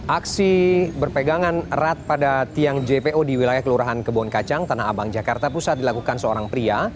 aksi berpegangan erat pada tiang jpo di wilayah kelurahan kebon kacang tanah abang jakarta pusat dilakukan seorang pria